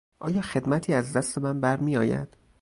آیا خدمتی از دست من برمیآید؟